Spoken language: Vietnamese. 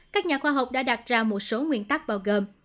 các nhà khoa học đã đặt ra một số nguyên tắc bao gồm